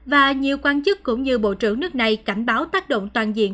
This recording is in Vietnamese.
và nhiều quan chức cũng như bộ trưởng nước này cảnh báo tác động toàn diện